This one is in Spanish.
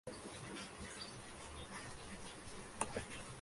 El nombre es probablemente un epónimo para el dios nórdico Freyr.